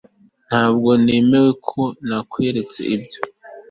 ntabwo nemera ko nakweretse ibyo